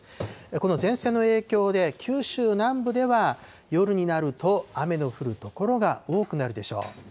この前線の影響で、九州南部では夜になると雨の降る所が多くなるでしょう。